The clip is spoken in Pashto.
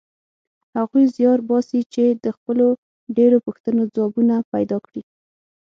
هغوی زیار باسي چې د خپلو ډېرو پوښتنو ځوابونه پیدا کړي.